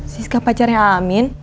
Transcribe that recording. siska pacarnya amin